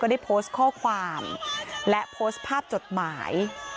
ได้โพสต์ข้อความและโพสต์ภาพจดหมาย